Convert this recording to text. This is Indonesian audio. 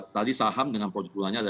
tadi saham dengan produk bulannya ada